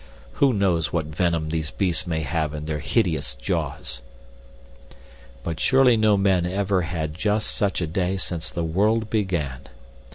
Who knows what venom these beasts may have in their hideous jaws?" But surely no men ever had just such a day since the world began.